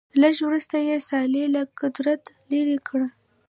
لږ وروسته یې صالح له قدرته لیرې کړ.